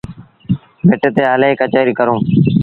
ڀٽ تي هلي ڪچهريٚ ڪرون۔